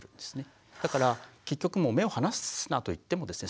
だから結局目を離すなといってもですね